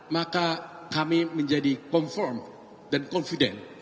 maka kami menjadi confirm dan confident